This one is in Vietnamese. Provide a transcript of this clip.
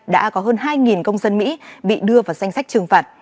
đã có hơn hai công dân mỹ bị đưa vào danh sách trừng phạt